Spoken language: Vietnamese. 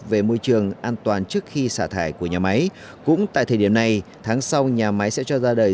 về môi trường an toàn trước khi xả thải của nhà máy cũng tại thời điểm này tháng sau nhà máy sẽ cho ra đời